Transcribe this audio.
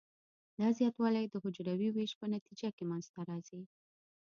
دا زیاتوالی د حجروي ویش په نتیجه کې منځ ته راځي.